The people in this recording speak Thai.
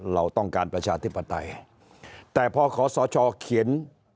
เราต้องการประชาธิปไตยแต่พอขอสชเขียน